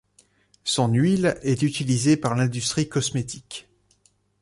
Son huile est utilisée par l’industrie cosmétique.